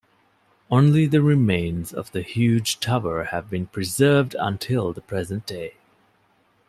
Only the remains of the huge tower have been preserved until the present day.